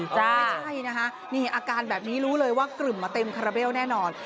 ไม่ใช่นะคะนี่อาการแบบนี้รู้เลยว่ากลึ่มมาเต็มคาราเบลแน่นอน